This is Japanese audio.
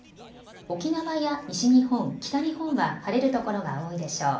沖縄や西日本、北日本は晴れるところが多いでしょう。